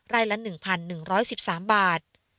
ละ๑๑๑๓บาท